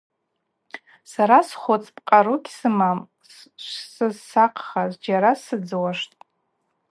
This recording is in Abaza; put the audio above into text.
Са схвыцпӏ, къару гьсымам, швсызсакъха, зджьара сыдзуаштӏ.